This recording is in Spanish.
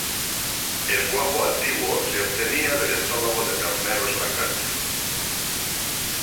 El cuajo antiguo se obtenía del estómago de terneros lactantes.